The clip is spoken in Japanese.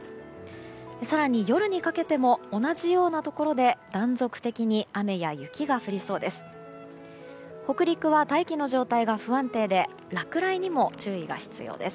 更に夜にかけても同じようなところで断続的に雨や雪が降りそうです。